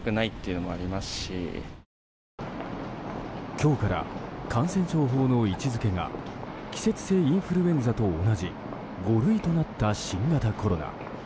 今日から感染症法の位置づけが季節性インフルエンザと同じ５類となった新型コロナ。